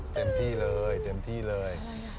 เต็มที่เลยเต็มที่เลย